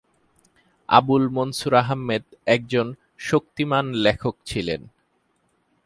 আবুল মনসুর আহমেদ একজন শক্তিমান লেখক ছিলেন।